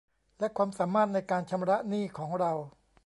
และความสามารถในการชำระหนี้ของเรา